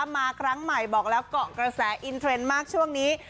มาครั้งใหม่บอกแล้วเกาะกระแสอินเทรนด์มากช่วงนี้